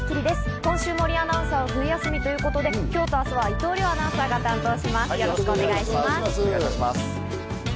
今週、森アナウンサーは冬休みということで、今日と明日は伊藤遼よろしくお願いします。